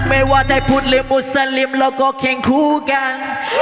ไม่ว่าถ้ายพุทธหรือมุสลิมเราก็แข่งคู่กัน